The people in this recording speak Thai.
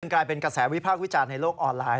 กลายเป็นกระแสวิพากษ์วิจารณ์ในโลกออนไลน์